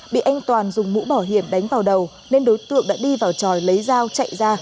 bị anh toàn dùng mũ bảo hiểm đánh vào đầu nên đối tượng đã đi vào tròi lấy dao chạy ra